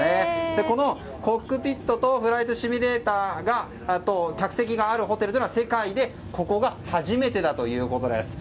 このコックピットとフライトシミュレーターと客席があるホテルは、世界でここが初めてだということです。